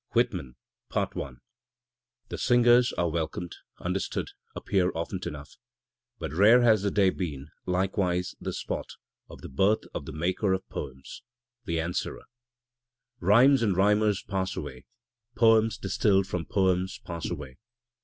WHITMAN The singers are welcomed, understood, appear often enough, but rare has the day been, hkewise the spot, of the birth of the maker of poems, the Answerer. Rhymes and rhymers pass away, poems distilled from poems pass away.